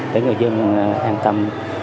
để người dân an tâm